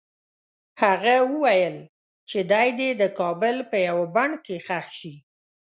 هغه وویل چې دی دې د کابل په یوه بڼ کې ښخ شي.